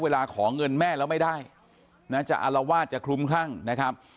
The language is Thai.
เวลาขอเงินแม่แล้วไม่ได้อะจะอ๑๘๙๐คุ้มครั่งนะครับ